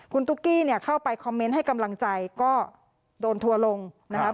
คุณตุ๊กกี้เนี่ยเข้าไปคอมเมนต์ให้กำลังใจก็โดนทัวร์ลงนะครับ